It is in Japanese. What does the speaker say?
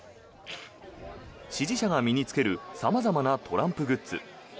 支持者が身に着ける様々なトランプグッズ。